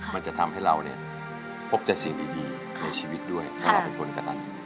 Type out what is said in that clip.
มันจะทำให้เราเนี่ยพบแต่สิ่งดีในชีวิตด้วยเพราะเราเป็นคนกระตัน